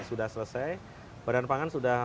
sudah selesai badan pangan sudah